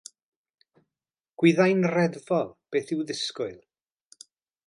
Gwyddai'n reddfol beth i'w ddisgwyl.